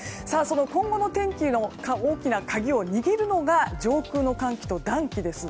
今後の天気の大きな鍵を握るのが上空の寒気と暖気です。